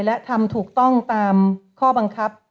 และทำถูกต้องตามข้อบังคับ